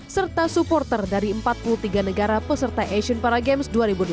serta supporter dari empat puluh tiga negara peserta asian paragames dua ribu delapan belas